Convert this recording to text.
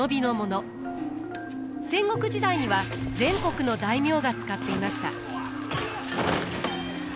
戦国時代には全国の大名が使っていました。